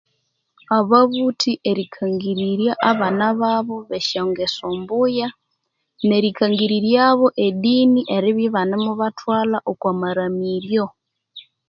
Ababuthi erikangirirya abana babo besyongeso mbuya nerikangiriryabo edini erbya ibanemubathwalha oku maramiryo